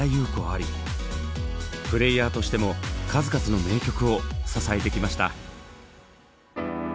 最後にプレーヤーとしても数々の名曲を支えてきました。